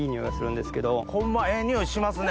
ホンマええ匂いしますね。